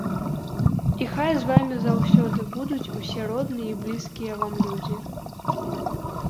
І хай з вамі заўсёды будуць усе родныя і блізкія вам людзі!